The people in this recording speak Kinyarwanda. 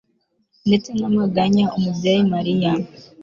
ndetse n'amaganya, umubyeyi mariya